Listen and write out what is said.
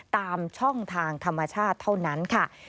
ตามช่องทางธรรมชาติเท่านั้นค่ะ